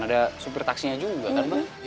ada supir taksinya juga kan pak